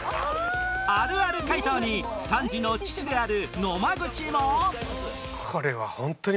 あるある回答に３児の父である野間口も